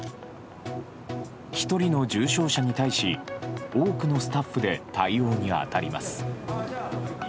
１人の重症者に対し多くのスタッフで対応に当たります。